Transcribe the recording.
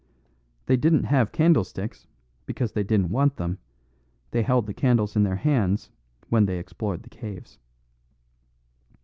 They didn't have candlesticks because they didn't want them; they held the candles in their hands when they explored the caves."